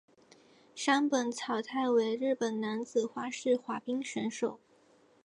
山本草太为日本男子花式滑冰选手。